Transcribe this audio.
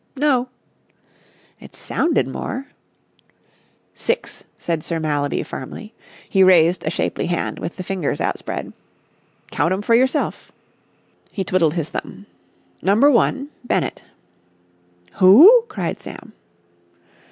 "No." "It sounded more." "Six," said Sir Mallaby firmly. He raised a shapely hand with the fingers outspread. "Count 'em for yourself." He twiddled his thumb. "Number one—Bennett." "Who?" cried Sam.